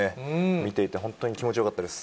見ていて本当に気持ちよかったです。